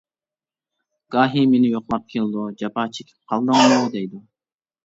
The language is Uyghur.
گاھى مېنى يوقلاپ كېلىدۇ «جاپا چېكىپ قالدىڭمۇ» دەيدۇ.